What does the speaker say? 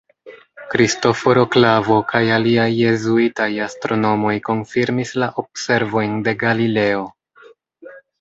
Kristoforo Klavo kaj aliaj jezuitaj astronomoj konfirmis la observojn de Galileo.